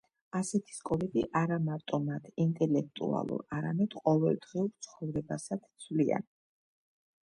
ასეთი სკოლები არამარტო მათ ინტელექტუალურ, არამედ ყოველდღიურ ცხოვრებასაც ცვლიან.